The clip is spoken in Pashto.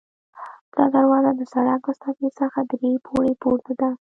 دا دروازه د سړک له سطحې څخه درې پوړۍ پورته ده.